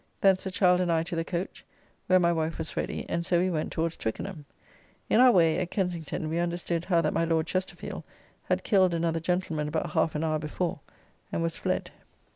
Thence the child and I to the coach, where my wife was ready, and so we went towards Twickenham. In our way, at Kensington we understood how that my Lord Chesterfield had killed another gentleman about half an hour before, and was fled.